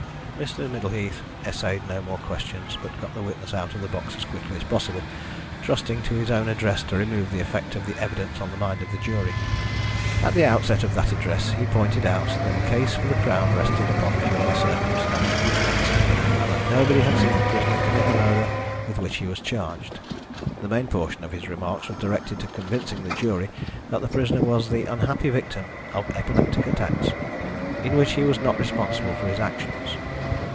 Mr. Middleheath essayed no more questions, but got the witness out of the box as quickly as possible, trusting to his own address to remove the effect of the evidence on the mind of the jury. At the outset of that address he pointed out that the case for the Crown rested upon purely circumstantial evidence, and that nobody had seen the prisoner commit the murder with which he was charged. The main portion of his remarks was directed to convincing the jury that the prisoner was the unhappy victim of epileptic attacks, in which he was not responsible for his actions.